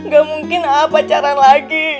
gak mungkin aa pacaran lagi